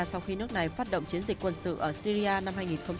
sau khi nước này phát động chiến dịch quân sự ở syria năm hai nghìn một mươi chín